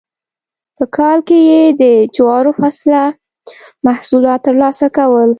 په کال کې یې د جوارو فصله محصولات ترلاسه کول.